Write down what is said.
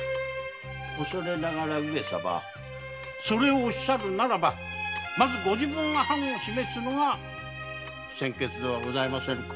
恐れながらそれをおっしゃるならばご自分が範を示すのが先決ではありませんか？